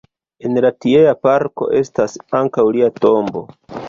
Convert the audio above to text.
En la tiea parko estas ankaŭ lia tombo.